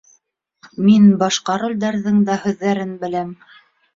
Мин башҡа ролдәрҙең дә һүҙҙәрен беләм.